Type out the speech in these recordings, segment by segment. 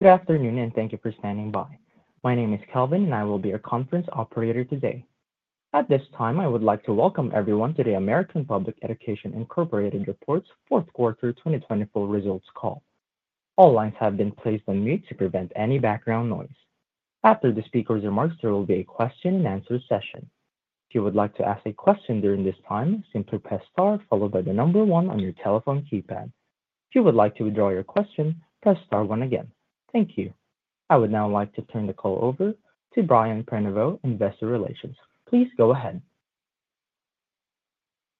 Good afternoon, and thank you for standing by. My name is Kelvin, and I will be your conference operator today. At this time, I would like to welcome everyone to the American Public Education Fourth Quarter 2024 results call. All lines have been placed on mute to prevent any background noise. After the speaker's remarks, there will be a question-and-answer session. If you would like to ask a question during this time, simply press star followed by the number one on your telephone keypad. If you would like to withdraw your question, press star one again. Thank you. I would now like to turn the call over to Brian Prenoveau, Investor Relations. Please go ahead.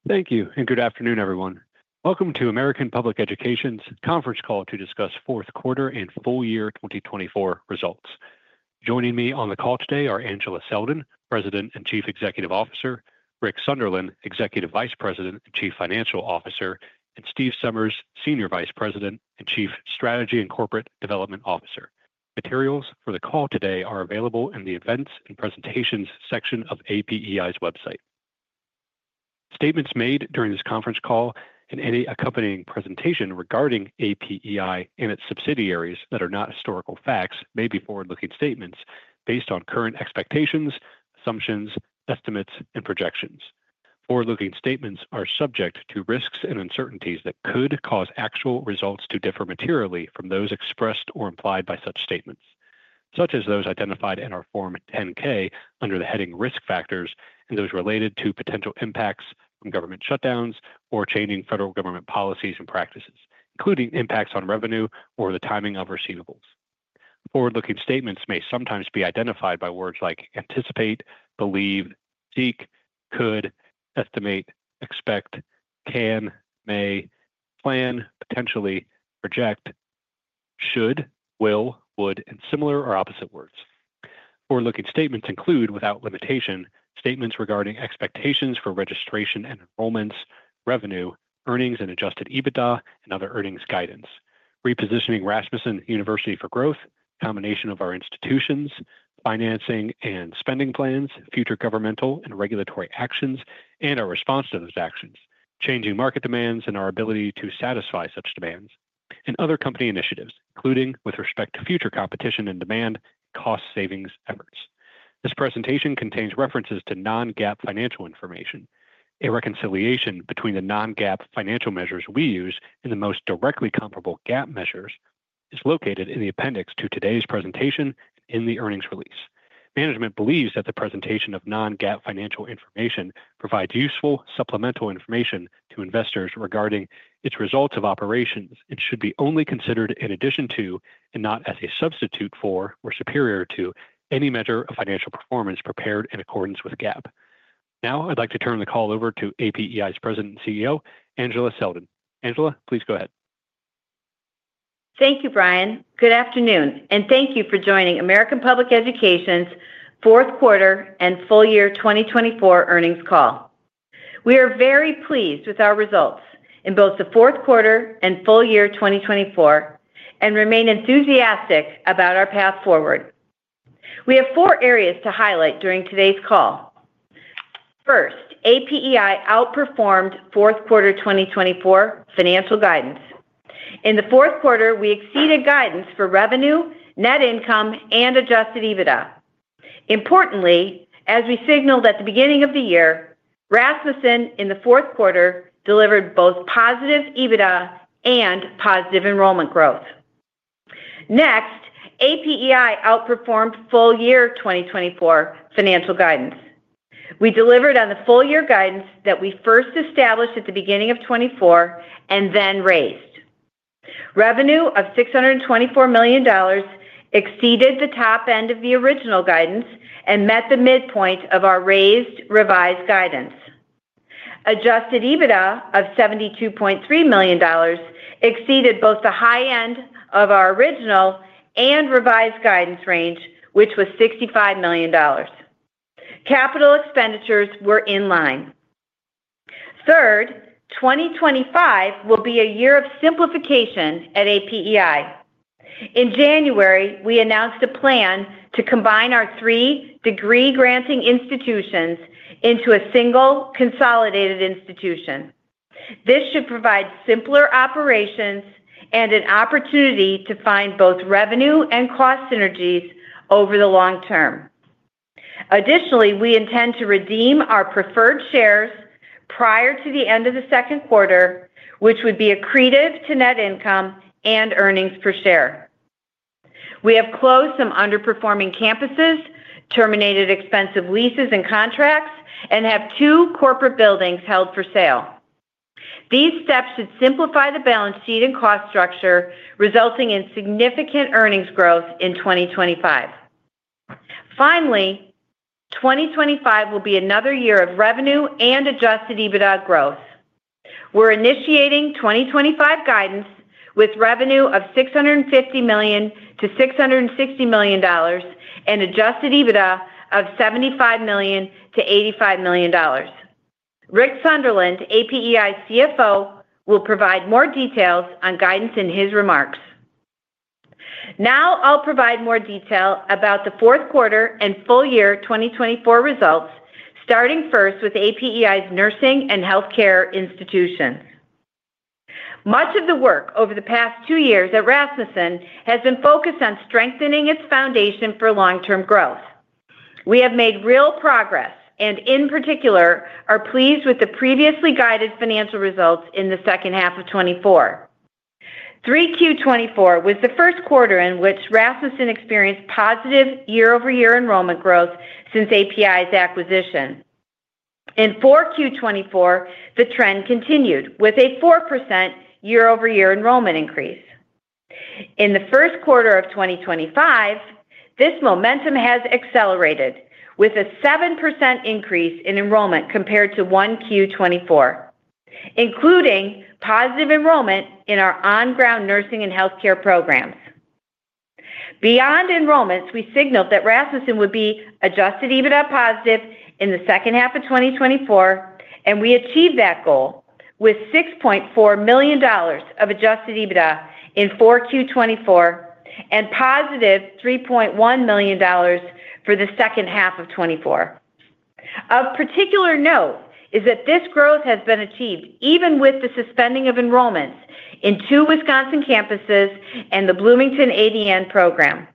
Thank you, and good afternoon, everyone. Welcome to American Public Education's conference call to discuss fourth quarter and full year 2024 results. Joining me on the call today are Angela Selden, President and Chief Executive Officer; Rick Sunderland, Executive Vice President and Chief Financial Officer; and Steve Somers, Senior Vice President and Chief Strategy and Corporate Development Officer. Materials for the call today are available in the Events and Presentations section of APEI's website. Statements made during this conference call and any accompanying presentation regarding APEI and its subsidiaries that are not historical facts may be forward-looking statements based on current expectations, assumptions, estimates, and projections. Forward-looking statements are subject to risks and uncertainties that could cause actual results to differ materially from those expressed or implied by such statements, such as those identified in our Form 10-K under the heading Risk Factors and those related to potential impacts from government shutdowns or changing federal government policies and practices, including impacts on revenue or the timing of receivables. Forward-looking statements may sometimes be identified by words like anticipate, believe, seek, could, estimate, expect, can, may, plan, potentially, project, should, will, would, and similar or opposite words. Forward-looking statements include, without limitation, statements regarding expectations for registration and enrollments, revenue, earnings and adjusted EBITDA, and other earnings guidance, repositioning Rasmussen University for growth, a combination of our institutions, financing and spending plans, future governmental and regulatory actions, and our response to those actions, changing market demands and our ability to satisfy such demands, and other company initiatives, including with respect to future competition and demand and cost savings efforts. This presentation contains references to non-GAAP financial information. A reconciliation between the non-GAAP financial measures we use and the most directly comparable GAAP measures is located in the appendix to today's presentation and in the earnings release. Management believes that the presentation of non-GAAP financial information provides useful supplemental information to investors regarding its results of operations and should be only considered in addition to, and not as a substitute for, or superior to, any measure of financial performance prepared in accordance with GAAP. Now, I'd like to turn the call over to APEI's President and CEO, Angela Selden. Angela, please go ahead. Thank you, Brian. Good afternoon, and thank you for joining American Public Education's fourth quarter and full year 2024 earnings call. We are very pleased with our results in both the fourth quarter and full year 2024 and remain enthusiastic about our path forward. We have four areas to highlight during today's call. First, APEI outperformed fourth quarter 2024 financial guidance. In the fourth quarter, we exceeded guidance for revenue, net income, and adjusted EBITDA. Importantly, as we signaled at the beginning of the year, Rasmussen in the fourth quarter delivered both positive EBITDA and positive enrollment growth. Next, APEI outperformed full year 2024 financial guidance. We delivered on the full year guidance that we first established at the beginning of 2024 and then raised. Revenue of $624 million exceeded the top end of the original guidance and met the midpoint of our raised revised guidance. Adjusted EBITDA of $72.3 million exceeded both the high end of our original and revised guidance range, which was $65 million. Capital expenditures were in line. Third, 2025 will be a year of simplification at APEI. In January, we announced a plan to combine our three degree-granting institutions into a single consolidated institution. This should provide simpler operations and an opportunity to find both revenue and cost synergies over the long term. Additionally, we intend to redeem our preferred shares prior to the end of the second quarter, which would be accretive to net income and earnings per share. We have closed some underperforming campuses, terminated expensive leases and contracts, and have two corporate buildings held for sale. These steps should simplify the balance sheet and cost structure, resulting in significant earnings growth in 2025. Finally, 2025 will be another year of revenue and adjusted EBITDA growth. We're initiating 2025 guidance with revenue of $650 million-$660 million and adjusted EBITDA of $75 million-$85 million. Rick Sunderland, APEI CFO, will provide more details on guidance in his remarks. Now, I'll provide more detail about the fourth quarter and full year 2024 results, starting first with APEI's nursing and healthcare institutions. Much of the work over the past two years at Rasmussen has been focused on strengthening its foundation for long-term growth. We have made real progress and, in particular, are pleased with the previously guided financial results in the second half of 2024. Q3 2024 was the first quarter in which Rasmussen experienced positive year-over-year enrollment growth since APEI's acquisition. In Q4 2024, the trend continued with a 4% year-over-year enrollment increase. In the first quarter of 2025, this momentum has accelerated with a 7% increase in enrollment compared to one Q24, including positive enrollment in our on-ground nursing and healthcare programs. Beyond enrollments, we signaled that Rasmussen would be adjusted EBITDA positive in the second half of 2024, and we achieved that goal with $6.4 million of adjusted EBITDA in four Q24 and positive $3.1 million for the second half of 2024. Of particular note is that this growth has been achieved even with the suspending of enrollments in two Wisconsin campuses and the Bloomington ADN program.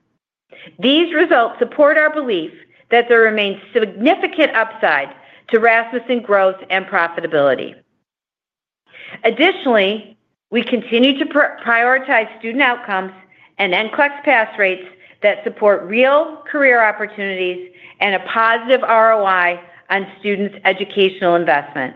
These results support our belief that there remains significant upside to Rasmussen growth and profitability. Additionally, we continue to prioritize student outcomes and NCLEX pass rates that support real career opportunities and a positive ROI on students' educational investment.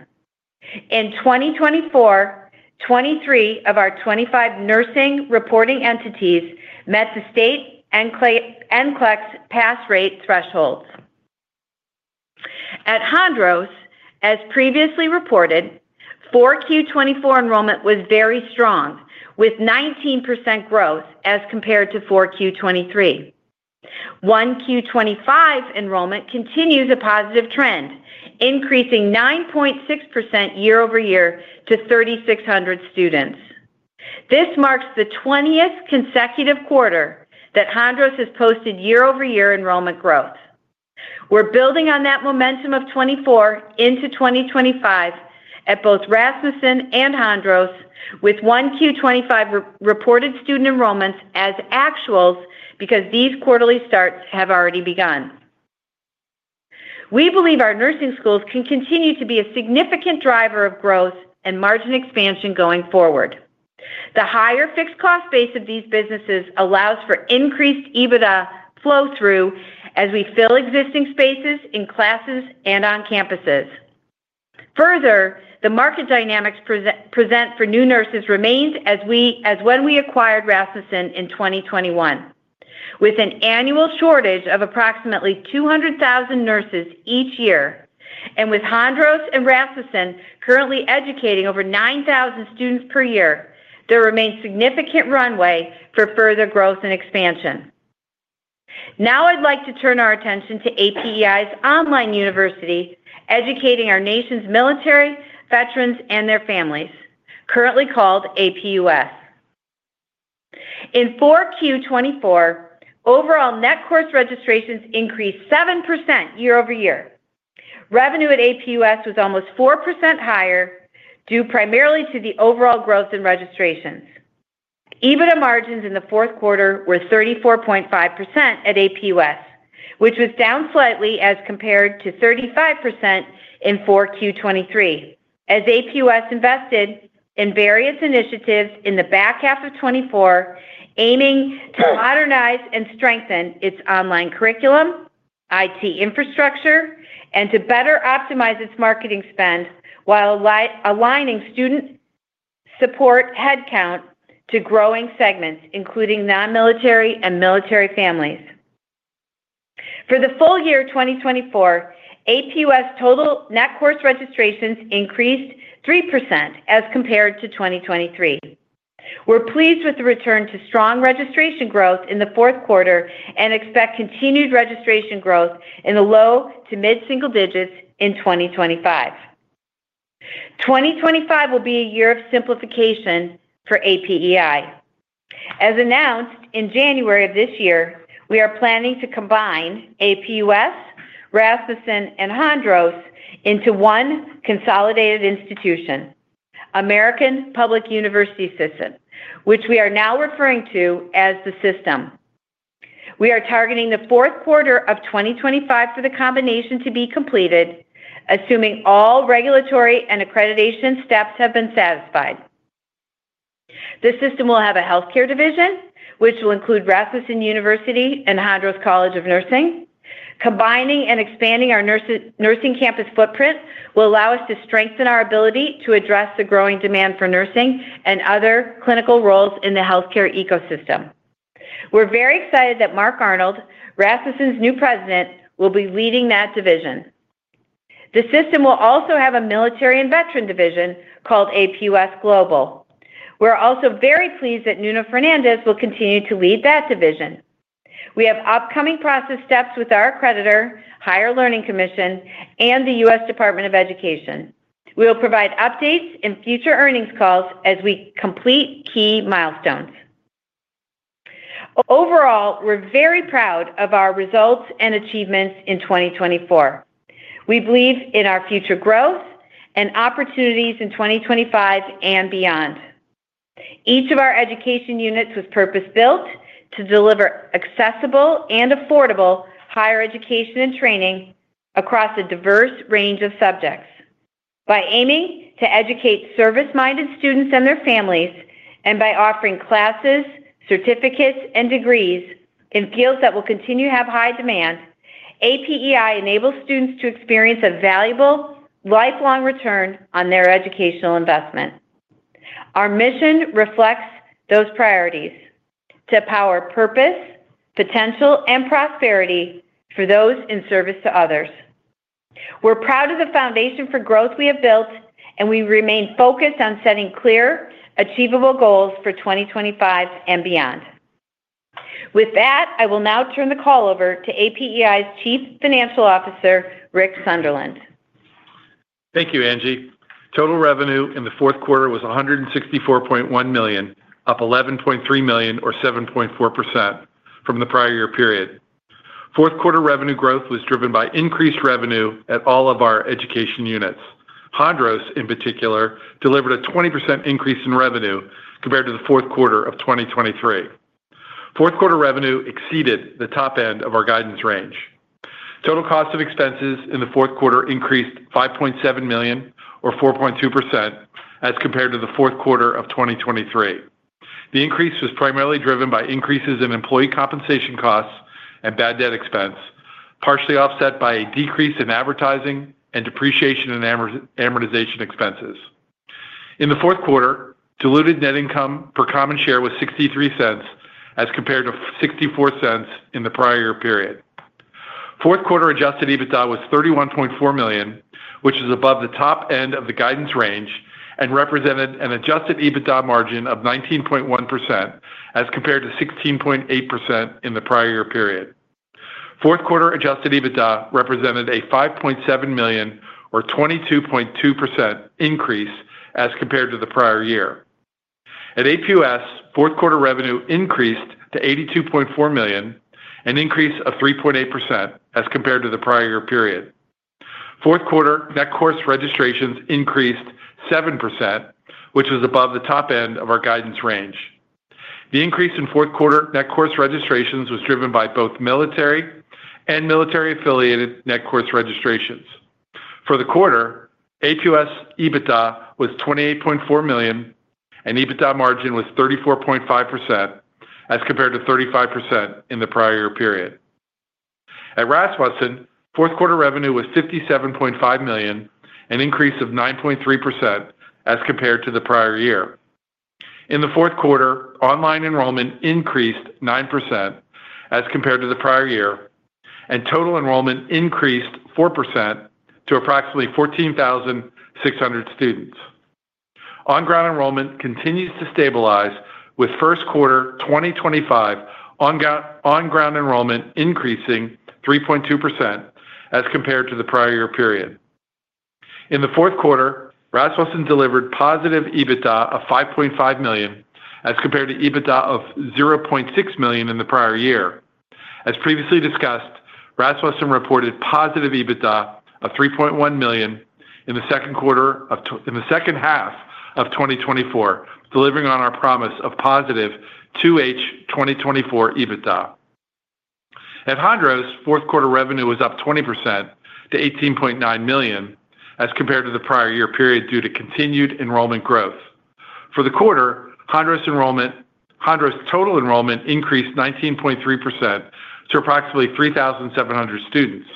In 2024, 23 of our 25 nursing reporting entities met the state NCLEX pass rate thresholds. At Hondros, as previously reported, Q4 2024 enrollment was very strong with 19% growth as compared to Q4 2023. Q1 2025 enrollment continues a positive trend, increasing 9.6% year-over-year to 3,600 students. This marks the 20th consecutive quarter that Hondros has posted year-over-year enrollment growth. We are building on that momentum of 2024 into 2025 at both Rasmussen and Hondros, with Q1 2025 reported student enrollments as actuals because these quarterly starts have already begun. We believe our nursing schools can continue to be a significant driver of growth and margin expansion going forward. The higher fixed cost base of these businesses allows for increased EBITDA flow-through as we fill existing spaces in classes and on campuses. Further, the market dynamics present for new nurses remains as when we acquired Rasmussen in 2021, with an annual shortage of approximately 200,000 nurses each year, and with Hondros and Rasmussen currently educating over 9,000 students per year, there remains significant runway for further growth and expansion. Now, I'd like to turn our attention to APEI's online university educating our nation's military veterans and their families, currently called. In Q4 2024, overall net course registrations increased 7% year-over-year. Revenue at APUS was almost 4% higher due primarily to the overall growth in registrations. EBITDA margins in the fourth quarter were 34.5% at APUS, which was down slightly as compared to 35% in Q4 2023, as APUS invested in various initiatives in the back half of 2024, aiming to modernize and strengthen its online curriculum, IT infrastructure, and to better optimize its marketing spend while aligning student support headcount to growing segments, including non-military and military families. For the full year 2024, APUS total net course registrations increased 3% as compared to 2023. We're pleased with the return to strong registration growth in the fourth quarter and expect continued registration growth in the low to mid-single digits in 2025. 2025 will be a year of simplification for APEI. As announced in January of this year, we are planning to combine APUS, Rasmussen, and Hondros into one consolidated institution, American Public University System, which we are now referring to as the system. We are targeting the fourth quarter of 2025 for the combination to be completed, assuming all regulatory and accreditation steps have been satisfied. The system will have a healthcare division, which will include Rasmussen University and Hondros College of Nursing. Combining and expanding our nursing campus footprint will allow us to strengthen our ability to address the growing demand for nursing and other clinical roles in the healthcare ecosystem. We're very excited that Mark Arnold, Rasmussen's new president, will be leading that division. The system will also have a military and veteran division called APUS Global. We're also very pleased that Nuno Fernandes will continue to lead that division. We have upcoming process steps with our accreditor, Higher Learning Commission, and the U.S. Department of Education. We will provide updates in future earnings calls as we complete key milestones. Overall, we're very proud of our results and achievements in 2024. We believe in our future growth and opportunities in 2025 and beyond. Each of our education units was purpose-built to deliver accessible and affordable higher education and training across a diverse range of subjects. By aiming to educate service-minded students and their families, and by offering classes, certificates, and degrees in fields that will continue to have high demand, APEI enables students to experience a valuable lifelong return on their educational investment. Our mission reflects those priorities: to power purpose, potential, and prosperity for those in service to others. We're proud of the foundation for growth we have built, and we remain focused on setting clear, achievable goals for 2025 and beyond. With that, I will now turn the call over to APEI's Chief Financial Officer, Rick Sunderland. Thank you, Angie. Total revenue in the fourth quarter was $164.1 million, up $11.3 million, or 7.4%, from the prior year period. Fourth quarter revenue growth was driven by increased revenue at all of our education units. Hondros, in particular, delivered a 20% increase in revenue compared to the fourth quarter of 2023. Fourth quarter revenue exceeded the top end of our guidance range. Total cost of expenses in the fourth quarter increased $5.7 million, or 4.2%, as compared to the fourth quarter of 2023. The increase was primarily driven by increases in employee compensation costs and bad debt expense, partially offset by a decrease in advertising and depreciation and amortization expenses. In the fourth quarter, diluted net income per common share was $0.63, as compared to $0.64 in the prior year period. Fourth quarter adjusted EBITDA was $31.4 million, which is above the top end of the guidance range, and represented an adjusted EBITDA margin of 19.1%, as compared to 16.8% in the prior year period. Fourth quarter adjusted EBITDA represented a $5.7 million, or 22.2%, increase as compared to the prior year. At APUS, fourth quarter revenue increased to $82.4 million, an increase of 3.8%, as compared to the prior year period. Fourth quarter net course registrations increased 7%, which was above the top end of our guidance range. The increase in fourth quarter net course registrations was driven by both military and military-affiliated net course registrations. For the quarter, APUS EBITDA was $28.4 million, and EBITDA margin was 34.5%, as compared to 35% in the prior year period. At Rasmussen, fourth quarter revenue was $57.5 million, an increase of 9.3%, as compared to the prior year. In the fourth quarter, online enrollment increased 9%, as compared to the prior year, and total enrollment increased 4% to approximately 14,600 students. On-ground enrollment continues to stabilize, with first quarter 2025 on-ground enrollment increasing 3.2%, as compared to the prior year period. In the fourth quarter, Rasmussen delivered positive EBITDA of $5.5 million, as compared to EBITDA of $0.6 million in the prior year. As previously discussed, Rasmussen reported positive EBITDA of $3.1 million in the second quarter of in the second half of 2024, delivering on our promise of positive 2H 2024 EBITDA. At Hondros, fourth quarter revenue was up 20% to $18.9 million, as compared to the prior year period due to continued enrollment growth. For the quarter, Hondros total enrollment increased 19.3% to approximately 3,700 students.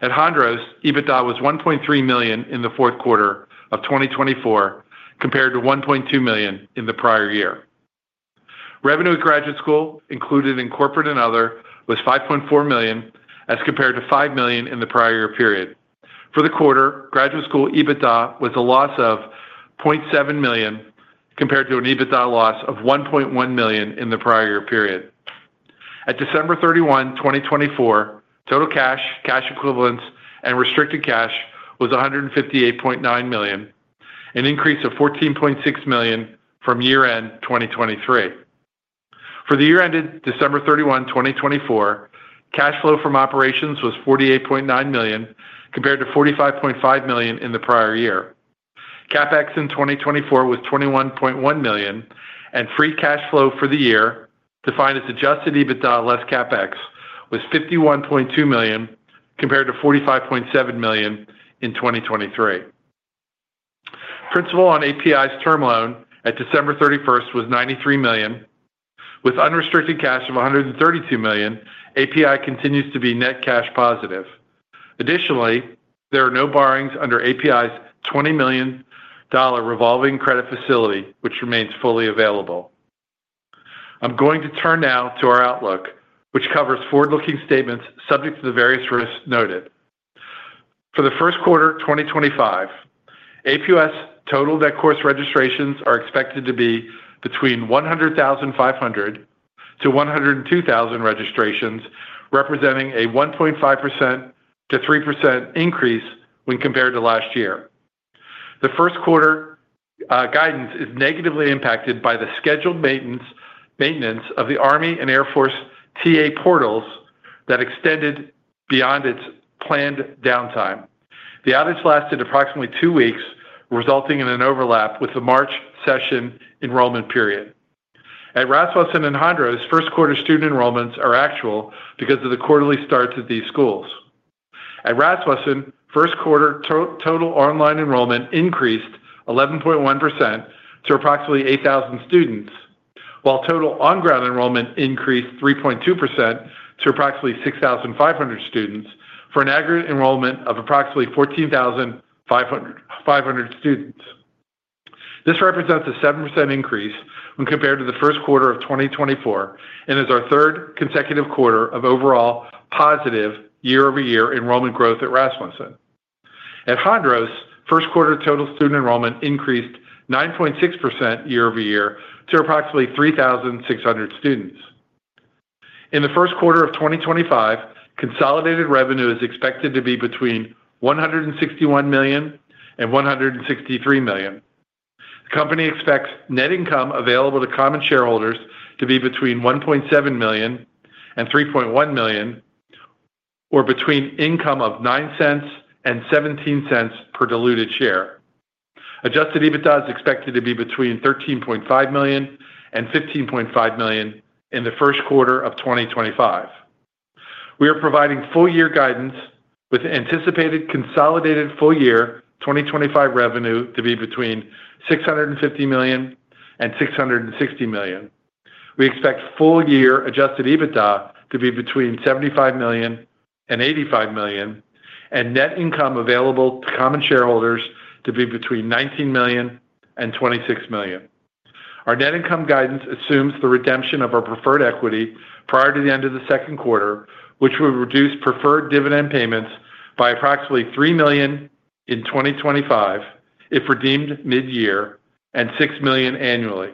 At Hondros, EBITDA was $1.3 million in the fourth quarter of 2024, compared to $1.2 million in the prior year. Revenue at graduate school, included in corporate and other, was $5.4 million, as compared to $5 million in the prior year period. For the quarter, graduate school EBITDA was a loss of $0.7 million, compared to an EBITDA loss of $1.1 million in the prior year period. At December 31, 2024, total cash, cash equivalents, and restricted cash was $158.9 million, an increase of $14.6 million from year-end 2023. For the year-ended December 31, 2024, cash flow from operations was $48.9 million, compared to $45.5 million in the prior year. CapEx in 2024 was $21.1 million, and free cash flow for the year, defined as adjusted EBITDA less CapEx, was $51.2 million, compared to $45.7 million in 2023. Principal on APEI's term loan at December 31st was $93 million. With unrestricted cash of $132 million, APEI continues to be net cash positive. Additionally, there are no borrowings under APEI's $20 million revolving credit facility, which remains fully available. I'm going to turn now to our outlook, which covers forward-looking statements subject to the various risks noted. For the first quarter 2025, APUS total net course registrations are expected to be between 100,500-102,000 registrations, representing a 1.5%-3% increase when compared to last year. The first quarter guidance is negatively impacted by the scheduled maintenance of the Army and Air Force TA portals that extended beyond its planned downtime. The outage lasted approximately two weeks, resulting in an overlap with the March session enrollment period. At Rasmussen and Hondros, first quarter student enrollments are actual because of the quarterly starts at these schools. At Rasmussen, first quarter total online enrollment increased 11.1% to approximately 8,000 students, while total on-ground enrollment increased 3.2% to approximately 6,500 students for an aggregate enrollment of approximately 14,500 students. This represents a 7% increase when compared to the first quarter of 2024 and is our third consecutive quarter of overall positive year-over-year enrollment growth at Rasmussen. At Hondros, first quarter total student enrollment increased 9.6% year-over-year to approximately 3,600 students. In the first quarter of 2025, consolidated revenue is expected to be between $161 million and $163 million. The company expects net income available to common shareholders to be between $1.7 million and $3.1 million, or between income of $0.09 and $0.17 per diluted share. Adjusted EBITDA is expected to be between $13.5 million and $15.5 million in the first quarter of 2025. We are providing full-year guidance with anticipated consolidated full-year 2025 revenue to be between $650 million and $660 million. We expect full-year adjusted EBITDA to be between $75 million and $85 million, and net income available to common shareholders to be between $19 million and $26 million. Our net income guidance assumes the redemption of our preferred equity prior to the end of the second quarter, which will reduce preferred dividend payments by approximately $3 million in 2025 if redeemed mid-year and $6 million annually.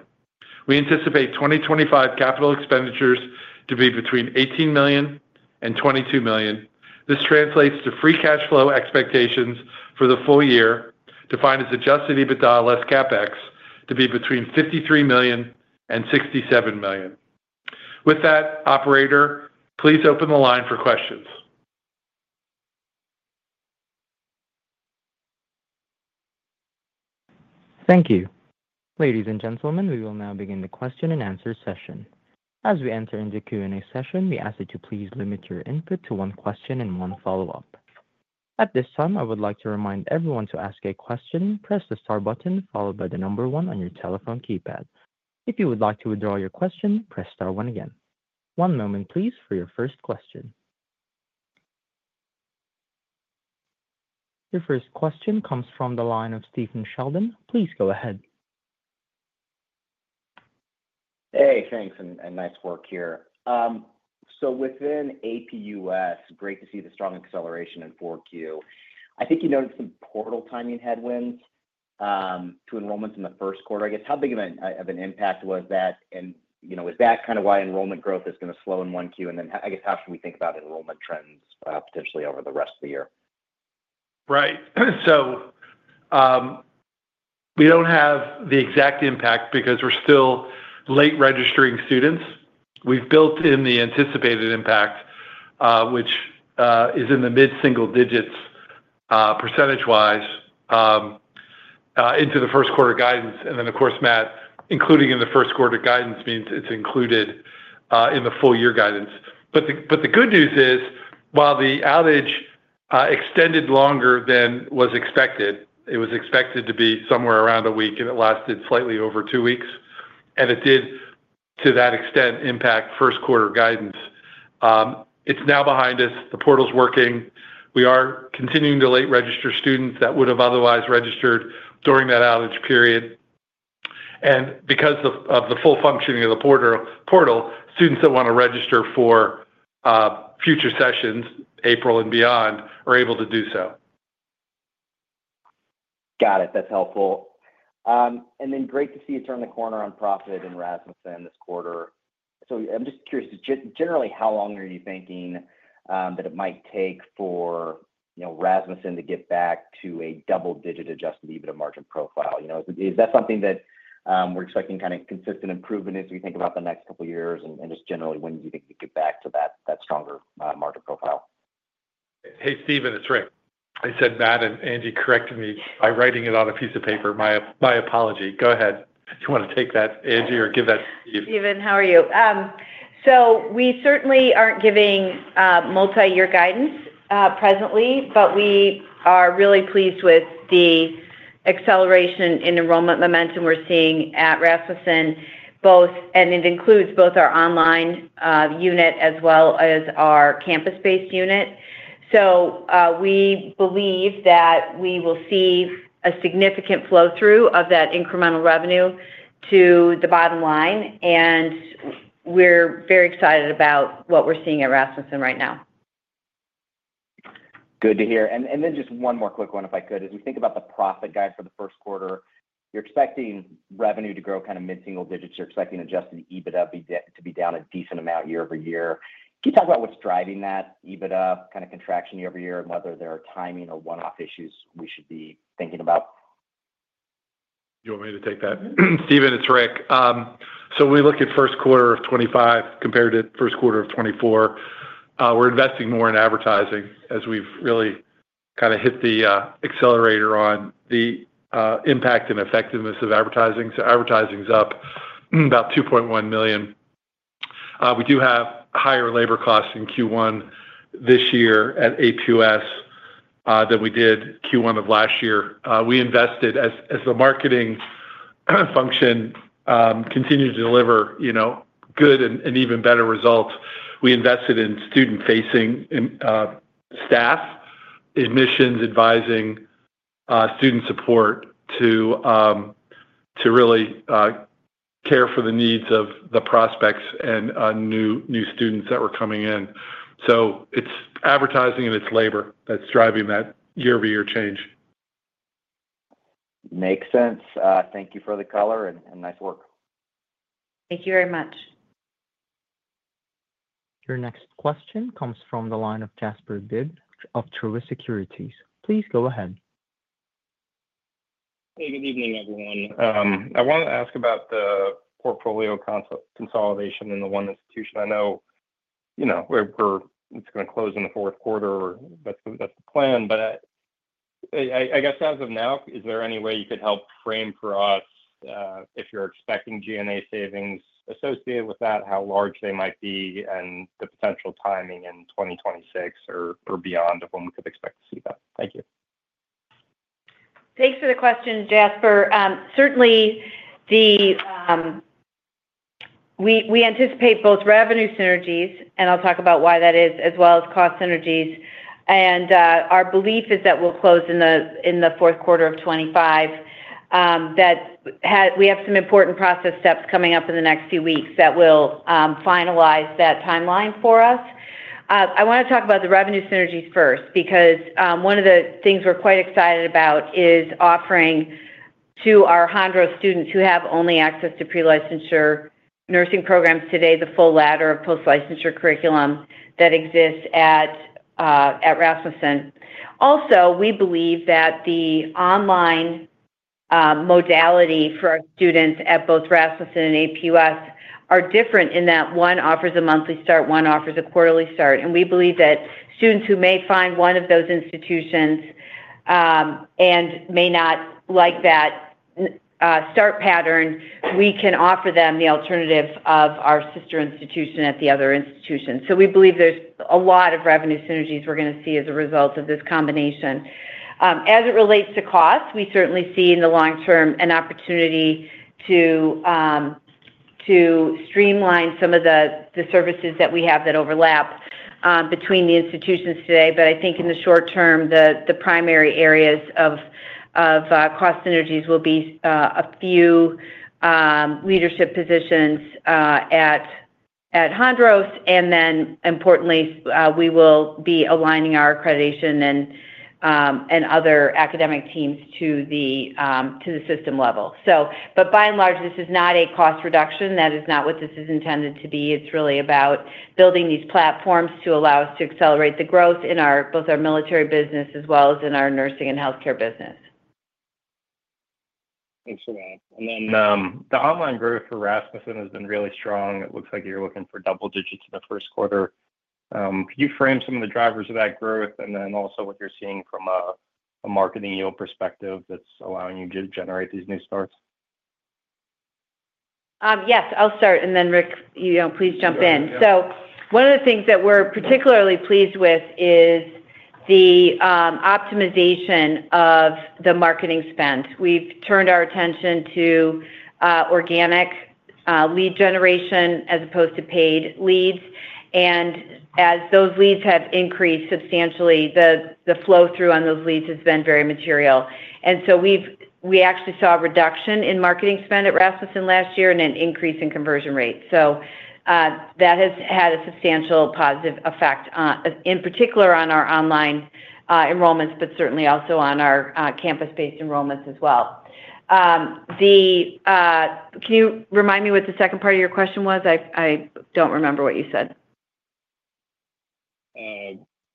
We anticipate 2025 capital expenditures to be between $18 million and $22 million. This translates to free cash flow expectations for the full year, defined as adjusted EBITDA less CapEx, to be between $53 million and $67 million. With that, Operator, please open the line for questions. Thank you. Ladies and gentlemen, we will now begin the question and answer session. As we enter into Q&A session, we ask that you please limit your input to one question and one follow-up. At this time, I would like to remind everyone to ask a question, press the star button followed by the number one on your telephone keypad. If you would like to withdraw your question, press star one again. One moment, please, for your first question. Your first question comes from the line of Stephen Sheldon. Please go ahead. Thanks, and nice work here. Within APUS, great to see the strong acceleration in 4Q. I think you noted some portal timing headwinds to enrollments in the first quarter. I guess, how big of an impact was that? Is that kind of why enrollment growth is going to slow in 1Q and I guess, how should we think about enrollment trends potentially over the rest of the year? Right. We do not have the exact impact because we are still late-registering students. We have built in the anticipated impact, which is in the mid-single digits percentage-wise, into the first quarter guidance. Of course, Matt, including in the first quarter guidance means it is included in the full-year guidance. The good news is, while the outage extended longer than was expected, it was expected to be somewhere around a week, and it lasted slightly over two weeks. It did, to that extent, impact first quarter guidance. It is now behind us. The portal is working. We are continuing to late-register students that would have otherwise registered during that outage period. Because of the full functioning of the portal, students that want to register for future sessions, April and beyond, are able to do so. Got it. That's helpful. Great to see you turn the corner on profit in Rasmussen this quarter. I'm just curious, generally, how long are you thinking that it might take for Rasmussen to get back to a double-digit adjusted EBITDA margin profile? Is that something that we're expecting kind of consistent improvement as we think about the next couple of years? Just generally, when do you think you could get back to that stronger margin profile? Hey, Steven, it's Rick. I said Matt, and Angie corrected me by writing it on a piece of paper. My apology. Go ahead. If you want to take that, Angie, or give that to Steve. Steven, how are you? We certainly aren't giving multi-year guidance presently, but we are really pleased with the acceleration in enrollment momentum we're seeing at Rasmussen, and it includes both our online unit as well as our campus-based unit. We believe that we will see a significant flow-through of that incremental revenue to the bottom line, and we're very excited about what we're seeing at Rasmussen right now. Good to hear. Just one more quick one, if I could. As we think about the profit guide for the first quarter, you're expecting revenue to grow kind of mid-single digits. You're expecting adjusted EBITDA to be down a decent amount year-over-year. Can you talk about what's driving that EBITDA kind of contraction year-over-year and whether there are timing or one-off issues we should be thinking about? Do you want me to take that? Steven, it's Rick. When we look at first quarter of 2025 compared to first quarter of 2024, we're investing more in advertising as we've really kind of hit the accelerator on the impact and effectiveness of advertising. Advertising's up about $2.1 million. We do have higher labor costs in Q1 this year at APUS than we did Q1 of last year. We invested, as the marketing function continues to deliver good and even better results, we invested in student-facing staff, admissions, advising, student support to really care for the needs of the prospects and new students that were coming in. It's advertising and it's labor that's driving that year-over-year change. Makes sense. Thank you for the color and nice work. Thank you very much. Your next question comes from the line of Jasper Bibb of Truist Securities. Please go ahead. Hey, good evening, everyone. I want to ask about the portfolio consolidation in the one institution. I know it's going to close in the fourth quarter, or that's the plan. I guess, as of now, is there any way you could help frame for us if you're expecting G&A savings associated with that, how large they might be, and the potential timing in 2026 or beyond of when we could expect to see that? Thank you. Thanks for the question, Jasper. Certainly, we anticipate both revenue synergies, and I'll talk about why that is, as well as cost synergies. Our belief is that we'll close in the fourth quarter of 2025, that we have some important process steps coming up in the next few weeks that will finalize that timeline for us. I want to talk about the revenue synergies first because one of the things we're quite excited about is offering to our Hondros students who have only access to pre-licensure nursing programs today the full ladder of post-licensure curriculum that exists at Rasmussen. Also, we believe that the online modality for our students at both Rasmussen and APUS are different in that one offers a monthly start, one offers a quarterly start. We believe that students who may find one of those institutions and may not like that start pattern, we can offer them the alternative of our sister institution at the other institution. We believe there is a lot of revenue synergies we are going to see as a result of this combination. As it relates to cost, we certainly see in the long term an opportunity to streamline some of the services that we have that overlap between the institutions today. I think in the short term, the primary areas of cost synergies will be a few leadership positions at Hondros. Importantly, we will be aligning our accreditation and other academic teams to the system level. By and large, this is not a cost reduction. That is not what this is intended to be. It's really about building these platforms to allow us to accelerate the growth in both our military business as well as in our nursing and healthcare business. Thanks for that. The online growth for Rasmussen has been really strong. It looks like you're looking for double digits in the first quarter. Could you frame some of the drivers of that growth and also what you're seeing from a marketing yield perspective that's allowing you to generate these new starts? Yes, I'll start. Rick, please jump in. One of the things that we're particularly pleased with is the optimization of the marketing spend. We've turned our attention to organic lead generation as opposed to paid leads. As those leads have increased substantially, the flow-through on those leads has been very material. We actually saw a reduction in marketing spend at Rasmussen last year and an increase in conversion rate. That has had a substantial positive effect, in particular on our online enrollments, but certainly also on our campus-based enrollments as well. Can you remind me what the second part of your question was? I don't remember what you said.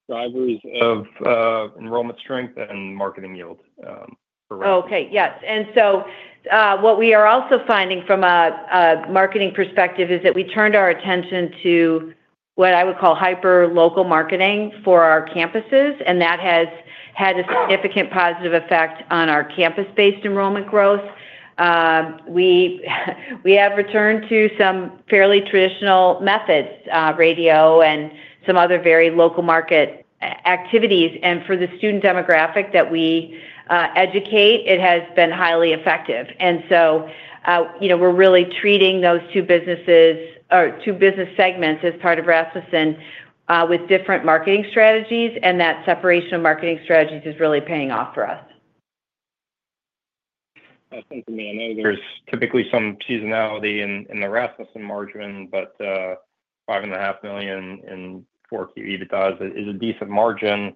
Drivers of enrollment strength and marketing yield for Rasmussen. Oh, okay. Yes. What we are also finding from a marketing perspective is that we turned our attention to what I would call hyper-local marketing for our campuses, and that has had a significant positive effect on our campus-based enrollment growth. We have returned to some fairly traditional methods, radio and some other very local market activities. For the student demographic that we educate, it has been highly effective. We are really treating those two businesses or two business segments as part of Rasmussen with different marketing strategies, and that separation of marketing strategies is really paying off for us. That's good for me. I know there's typically some seasonality in the Rasmussen margin, but $5.5 million in 4Q EBITDA is a decent margin.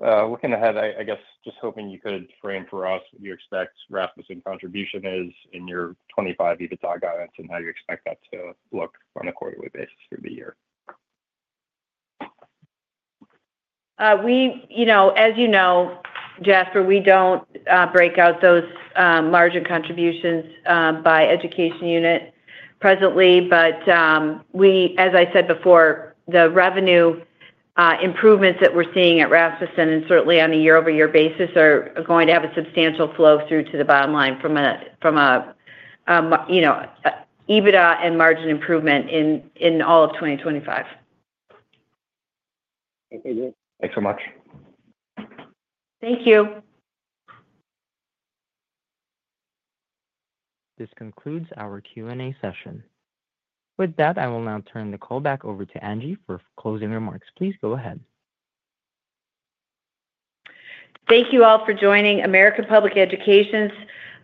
Looking ahead, I guess, just hoping you could frame for us what you expect Rasmussen contribution is in your 2025 EBITDA guidance and how you expect that to look on a quarterly basis through the year? As you know, Jasper, we do not break out those margin contributions by education unit presently. As I said before, the revenue improvements that we are seeing at Rasmussen and certainly on a year-over-year basis are going to have a substantial flow-through to the bottom line from an EBITDA and margin improvement in all of 2025. Okay. Thanks so much. Thank you. This concludes our Q&A session. With that, I will now turn the call back over to Angie for closing remarks. Please go ahead. Thank you all for joining American Public Education's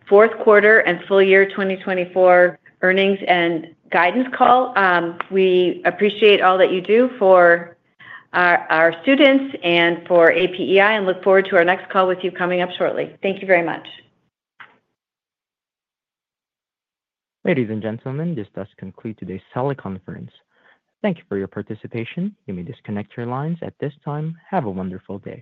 fourth quarter and full year 2024 earnings and guidance call. We appreciate all that you do for our students and for APEI and look forward to our next call with you coming up shortly. Thank you very much. Ladies and gentlemen, this does conclude today's teleconference. Thank you for your participation. You may disconnect your lines at this time. Have a wonderful day.